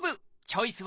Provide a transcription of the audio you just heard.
チョイス！